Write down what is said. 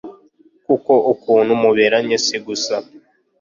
kuko ukuntu muberanye si gusa